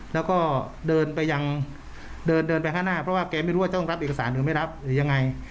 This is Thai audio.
แล้วก็เดินไปยังเดินเดินไปข้างหน้าเพราะว่าแกไม่รู้ว่าจะต้องรับเอกสารหรือไม่รับหรือยังไง